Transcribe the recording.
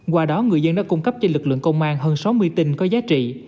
qua đó người dân đã cung cấp cho lực lượng công an hơn sáu mươi tin có giá trị